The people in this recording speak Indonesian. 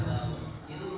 ada berapa orang ini